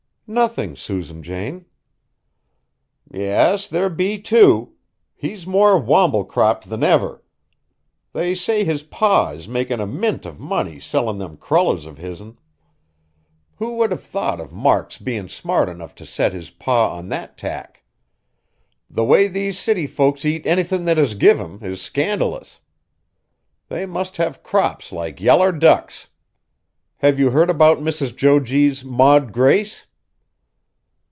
"Nothing, Susan Jane." "Yes, there be, too. He's more womble cropped than ever. They say his Pa is makin' a mint of money sellin' them crullers of his'n. Who would have thought of Mark's bein' smart enough to set his Pa on that tack? The way these city folks eat anythin' that is give them is scandalous. They must have crops like yaller ducks. Have you heard 'bout Mrs. Jo G.'s Maud Grace?"